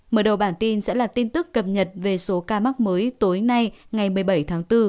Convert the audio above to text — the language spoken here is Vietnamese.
mở đầu bản tin sẽ là tin tức cập nhật về số ca mắc mới tối nay ngày một mươi bảy tháng bốn